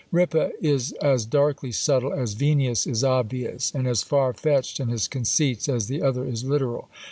Ripa is as darkly subtle as Venius is obvious; and as far fetched in his conceits as the other is literal.